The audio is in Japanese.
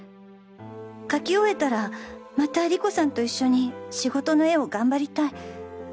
描き終えたらまた理子さんと一緒に仕事の絵を頑張りたい。